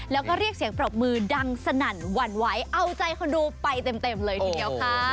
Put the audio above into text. แล้วก็เรียกเสียงปรบมือดังสนั่นหวั่นไหวเอาใจคนดูไปเต็มเลยทีเดียวค่ะ